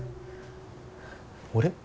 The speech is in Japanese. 俺？